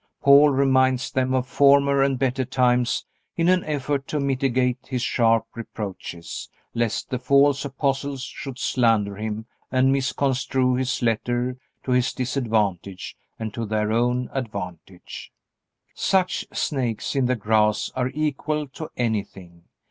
Paul reminds them of former and better times in an effort to mitigate his sharp reproaches, lest the false apostles should slander him and misconstrue his letter to his disadvantage and to their own advantage. Such snakes in the grass are equal to anything.